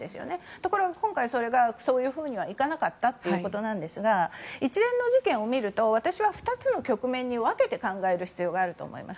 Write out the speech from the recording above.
ところが今回そういうふうには行かなかったということですが一連の事件を見ると私は２つの局面に分けて考える必要があると思います。